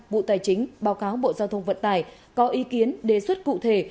bộ tài chính báo cáo bộ giao thông vận tải có ý kiến đề xuất cụ thể